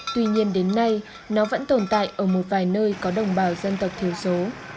tuy nhiên đến nay nó vẫn tồn tại ở một vài nơi có đồng bào dân tộc thiểu số